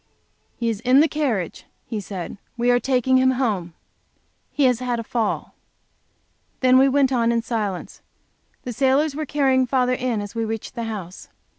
"He is in the carriage," he said. "We are taking him home. He has had a fall." Then we went on in silence. The sailors were carrying father in as we reached the house.